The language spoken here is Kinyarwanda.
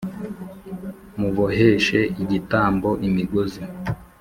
Muboheshe igitambo imigozi